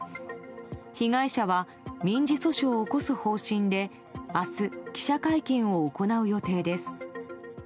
被害者は民事訴訟を起こす方針で明日、記者会見を行う予定です。